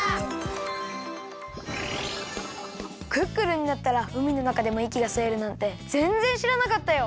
クックルンになったらうみのなかでもいきがすえるなんてぜんぜんしらなかったよ！